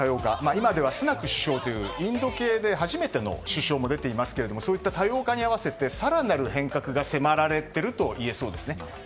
今ではスナク首相というインド系で初めての首相も出ていますけどそういった、多様化に合わせて更なる変革が迫られているといえそうですね。